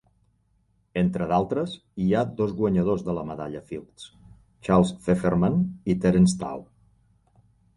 Entre d'altres, hi ha dos guanyadors de la Medalla Fields, Charles Fefferman i Terence Tao.